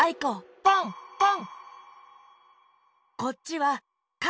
ポンポン！